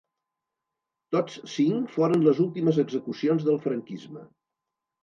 Tots cinc foren les últimes execucions del franquisme.